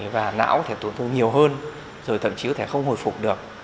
và não có thể tổn thương nhiều hơn rồi thậm chí có thể không hồi phục được